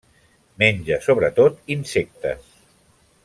Menja sobretot insectes.